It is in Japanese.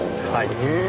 へえ。